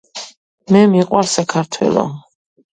მე მიყვარს საქართელო